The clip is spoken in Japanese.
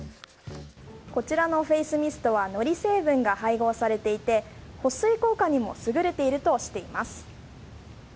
こちらのフェイスミストはのり成分が配合されていて保水効果にも優れているとされています。